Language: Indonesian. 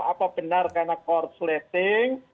apa benar karena core slating